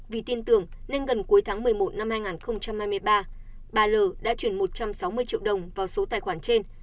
vì tin tưởng nên gần cuối tháng một mươi một năm hai nghìn hai mươi ba bà l đã chuyển một trăm sáu mươi triệu đồng vào số tài khoản trên